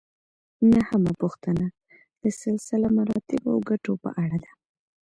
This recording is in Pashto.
نهمه پوښتنه د سلسله مراتبو او ګټو په اړه ده.